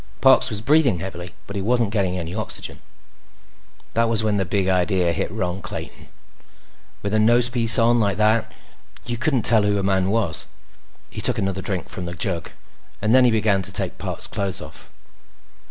Parks was breathing heavily, but he wasn't getting any oxygen. That was when the Big Idea hit Ron Clayton. With a nosepiece on like that, you couldn't tell who a man was. He took another drink from the jug and then began to take Parks' clothes off.